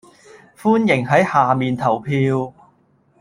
歡迎喺下面投票